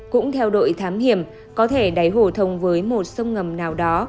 cũng theo đội thám hiểm có thể đáy hồ thông với một sông ngầm nào đó